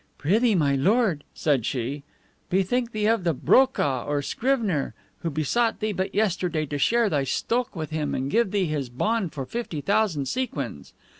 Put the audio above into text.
"Prithee, my lord," said she, "bethink thee of the BROKAH or scrivener, who besought thee but yesterday to share thy STOKH with him and gave thee his bond for fifty thousand sequins."